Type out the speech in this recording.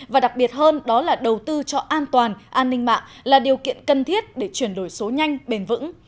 và đặc biệt hơn đó là đầu tư cho an toàn an ninh mạng là điều kiện cần thiết để chuyển đổi số nhanh bền vững